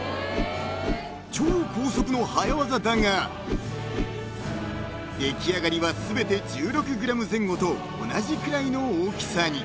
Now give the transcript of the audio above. ［超高速の早技だが出来上がりは全て１６ｇ前後と同じくらいの大きさに］